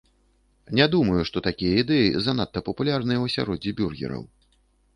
Не думаю, што такія ідэі занадта папулярныя ў асяроддзі бюргераў.